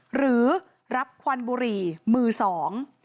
หรือรับควันบุหรี่มือสอง